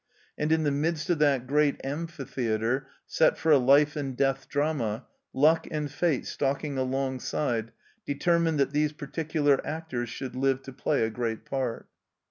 And in the midst of that great amphitheatre set for a life and death drama Luck and Fate stalking alongside, deter mined that these particular actors should live to play a great part.